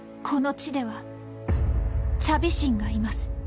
この地ではチャビ神がいます。